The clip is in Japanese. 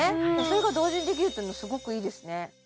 それが同時にできるっていうのはすごくいいですね